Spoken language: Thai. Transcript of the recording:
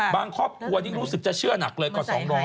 ครอบครัวนี้รู้สึกจะเชื่อหนักเลยกว่า๒๐๐